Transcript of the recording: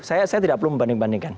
saya tidak perlu membanding bandingkan